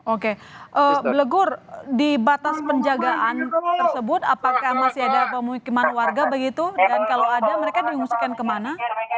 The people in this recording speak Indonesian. oke blegur di batas penjagaan tersebut apakah masih ada pemukiman warga begitu dan kalau ada mereka diungsikan kemana